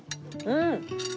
うん！